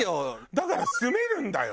だから住めるんだよ。